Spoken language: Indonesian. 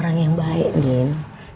arang yang baik jin